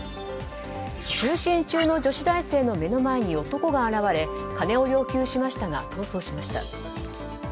就寝中の女子大生の前に男が現れ金を要求しましたが逃走しました。